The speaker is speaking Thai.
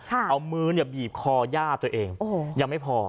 เอามือเนี่ยบีบคอย่าตัวเองโอ้โหยังไม่พอ